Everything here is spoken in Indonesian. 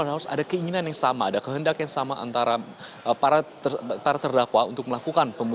harus ada keinginan yang sama ada kehendak yang sama antara para terdakwa untuk melakukan